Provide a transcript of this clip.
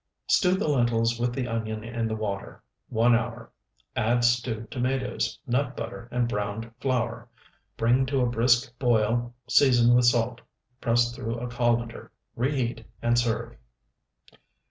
Stew the lentils with the onion in the water one hour; add stewed tomatoes, nut butter, and browned flour; bring to a brisk boil, season with salt, press through a colander, reheat, and serve.